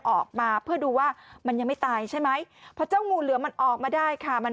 ออกมาเพื่อดูว่ามันยังไม่ตายใช่ไหมเพราะเจ้างูเหลือมันออกมาได้ค่ะมัน